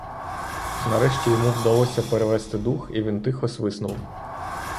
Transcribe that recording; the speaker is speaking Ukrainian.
Нарешті йому вдалося перевести дух, і він тихо свиснув.